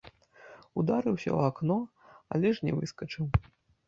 Ударыўся ў акно, але ж не выскачыў.